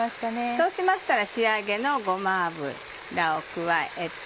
そうしましたら仕上げのごま油を加えて。